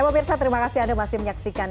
pemirsa terima kasih anda masih menyaksikan